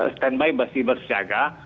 stand by masih bersiaga